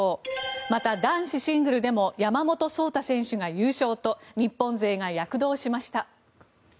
また、男子シングルでも山本草太選手が優勝と日本勢が躍動しました。